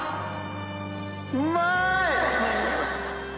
うまい！